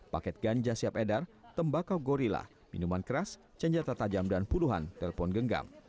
paket ganja siap edar tembakau gorilla minuman keras senjata tajam dan puluhan telepon genggam